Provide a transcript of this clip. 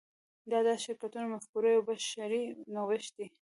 د داسې شرکتونو مفکوره یو بشري نوښت دی.